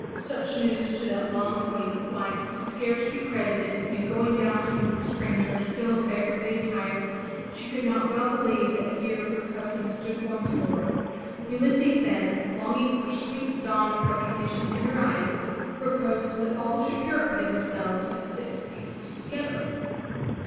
Such news to that long waiting 434 FROM THE TOWER WINDOW wife could scarce be credited, and going down to meet the stranger still in beggarly attire, she could not well believe that here her husband stood once more. Ulysses then, longing for sweet dawn of recognition in her eyes, proposed that all should purify them selves and sit to feast together.